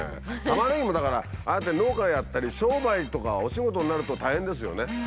タマネギもだからああやって農家をやったり商売とかお仕事になると大変ですよね。